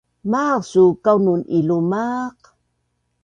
Maaq suu kaunun ilumaq?